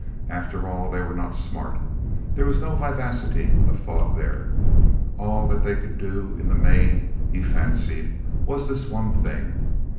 After all, they were not smart. There was no vivacity of thought there. All that they could do, in the main, he fancied, was this one thing.